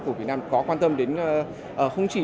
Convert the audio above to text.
của việt nam có quan tâm đến không chỉ